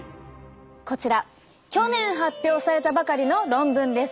こちら去年発表されたばかりの論文です。